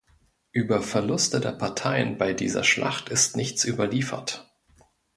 Über Verluste der Parteien bei dieser Schlacht ist nichts überliefert.